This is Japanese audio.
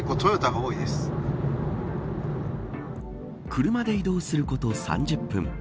車で移動すること３０分。